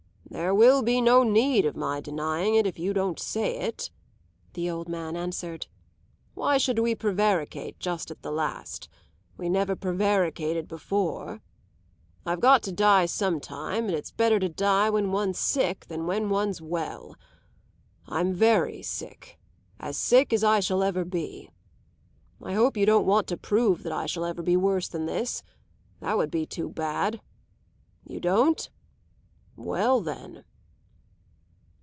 "There will be no need of my denying it if you don't say it," the old man answered. "Why should we prevaricate just at the last? We never prevaricated before. I've got to die some time, and it's better to die when one's sick than when one's well. I'm very sick as sick as I shall ever be. I hope you don't want to prove that I shall ever be worse than this? That would be too bad. You don't? Well then."